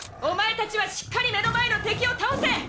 お前たちはしっかり目の前の敵を倒せ！